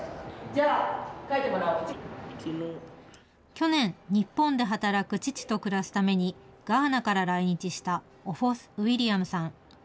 去年、日本で働く父と暮らすために、ガーナから来日したオフォス・ウィリアムさん。